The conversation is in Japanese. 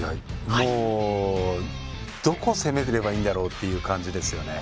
もう、どこを攻めればいいんだろうという感じですね。